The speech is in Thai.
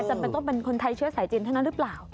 จำเป็นต้องเป็นคนไทยเชื้อสายจีนเท่านั้นหรือเปล่า